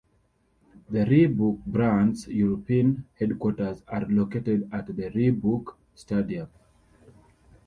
The Reebok brand's European headquarters are located at the Reebok Stadium.